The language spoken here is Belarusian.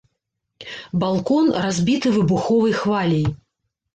Балкон, разбіты выбуховай хваляй.